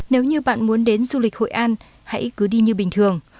nếu như bạn muốn đến du lịch hội an hãy cứ đi như bình thường